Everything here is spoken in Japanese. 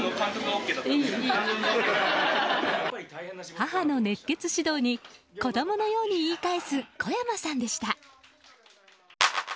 母の熱血指導に子供のように言い返す小山さんでした。